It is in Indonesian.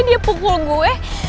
dia pukul gue